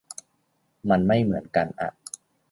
มันไม่เหมือนกันอ่ะ